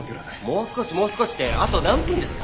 もう少しもう少しってあと何分ですか？